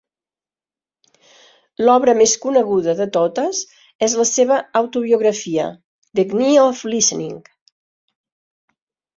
L"obra més coneguda de totes és la seva autobiografia, "The Knee of Listening.